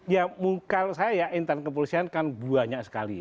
ya muka saya ya intan kepolisian kan banyak sekali